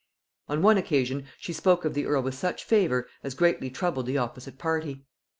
On one occasion she spoke of the earl with such favor as greatly troubled the opposite party.